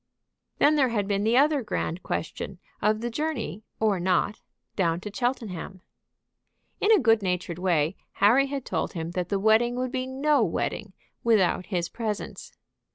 Then there had been the other grand question of the journey, or not, down to Cheltenham. In a good natured way Harry had told him that the wedding would be no wedding without his presence.